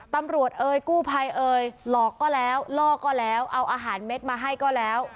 เอ่ยกู้ภัยเอ่ยหลอกก็แล้วล่อก็แล้วเอาอาหารเม็ดมาให้ก็แล้ว